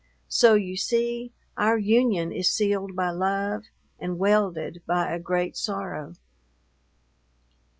So you see, our union is sealed by love and welded by a great sorrow.